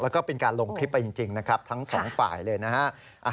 แล้วก็เป็นการลงคลิปไปจริงนะครับทั้งสองฝ่ายเลยนะฮะ